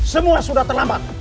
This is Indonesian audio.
semua sudah terlambat